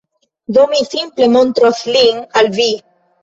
Do, mi simple montros lin al vi